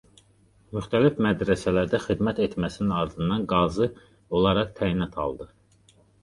Müxtəlif mədrəsələrdə xidmət etməsinin ardından qazı olaraq təyinat aldı.